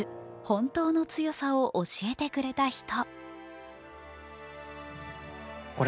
本当の強さを教えてくれた人。